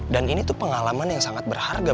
dan ini tuh pengalaman yang sangat berharga